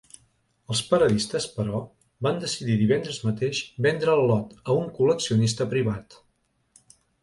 Els paradistes, però, van decidir divendres mateix vendre el lot a un col·leccionista privat.